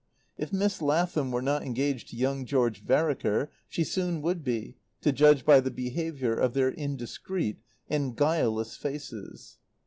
If Miss Lathom were not engaged to young George Vereker, she soon would be, to judge by the behaviour of their indiscreet and guileless faces.